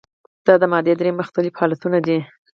دا د مادې درې مختلف حالتونه دي.